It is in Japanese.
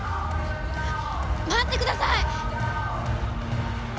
待ってください！